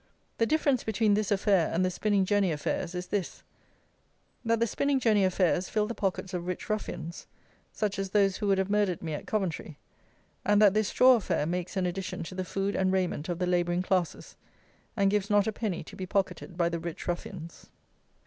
The difference between this affair and the spinning jenny affairs is this: that the spinning jenny affairs fill the pockets of "rich ruffians," such as those who would have murdered me at Coventry; and that this straw affair makes an addition to the food and raiment of the labouring classes, and gives not a penny to be pocketed by the rich ruffians.